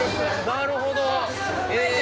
なるほど！